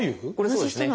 そうですね